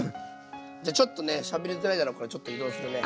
じゃちょっとねしゃべりづらいだろうからちょっと移動するね。